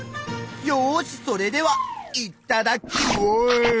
よしそれではいっただっきまぁす！